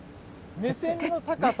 目線の高さ。